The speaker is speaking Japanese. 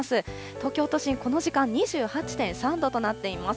東京都心、この時間２８．３度となっています。